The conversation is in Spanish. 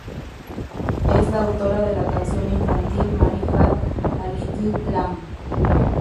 Es la autora de la canción infantil "Mary had a Little Lamb".